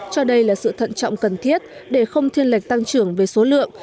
cho đây là sự thận trọng cần thiết để không thiên lệch tăng trưởng về số lượng